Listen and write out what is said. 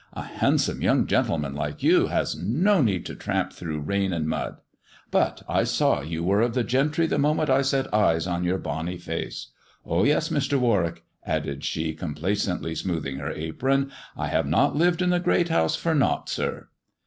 A handsome young gentleman like you has no need to tramp through rain and mud. But I saw you were of the gentry the moment I set eyes on your bonny face. Oh, yes, Mr. Warwick," added she, complacently smoothing her apron, "I have not lived in the Great Housie for nought, sir."